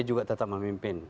juga tetap memimpin